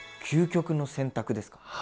究極の洗濯ですか？